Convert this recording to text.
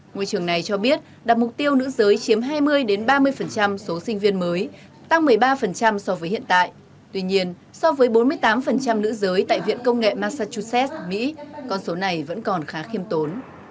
ngôi trường này cho biết đặt mục tiêu nữ giới chiếm hai mươi ba mươi số sinh viên mới tăng một mươi ba so với hiện tại tuy nhiên so với bốn mươi tám nữ giới tại viện công nghệ massachusetts mỹ con số này vẫn còn khá khiêm tốn